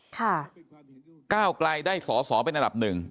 ก้าวไกลได้สอสอเป็นอันดับหนึ่ง